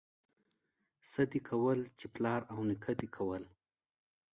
څه دي کول، چې پلار او نيکه دي کول.